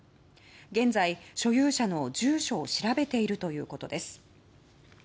現在、所有者の住所を調べているということです。